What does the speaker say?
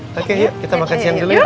oke oke yuk kita makan siang dulu yuk